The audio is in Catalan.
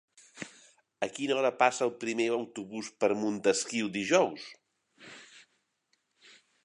A quina hora passa el primer autobús per Montesquiu dijous?